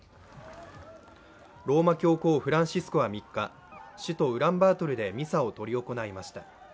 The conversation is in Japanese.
ローマ教皇フランシスコは３日、首都ウランバートルでミサを執り行いました。